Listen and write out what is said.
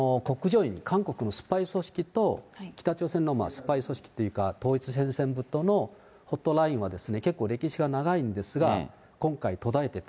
ういん、韓国のスパイ組織と、北朝鮮のスパイ組織というか、統一戦線部とのホットラインは結構歴史が長いんですが、今回、途絶えてた。